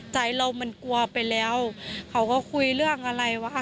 ใจเรามันกลัวไปแล้วเขาก็คุยเรื่องอะไรวะค่ะ